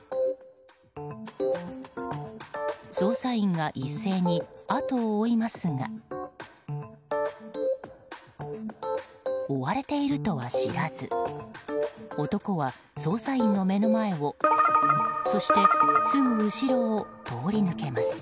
捜査員が一斉に後を追いますが追われているとは知らず男は捜査員の目の前をそしてすぐ後ろを通り抜けます。